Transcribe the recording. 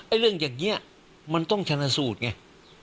เรื่องอย่างนี้มันต้องชนะสูตรไง